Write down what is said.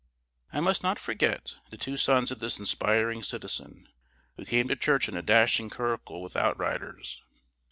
I must not forget the two sons of this inspiring citizen, who came to church in a dashing curricle with outriders.